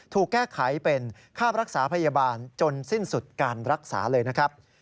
ถูกแก้ไขเป็นค่ารักษาพยาบาลจนสิ้นสุดการรักษาเลยนะครับ